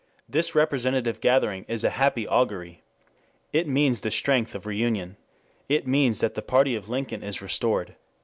"This representative gathering is a happy augury. It means the strength of reunion. It means that the party of Lincoln is restored...."